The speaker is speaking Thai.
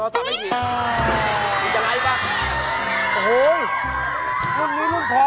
โอ้โฮช่วยช่วยผมด้วยครับ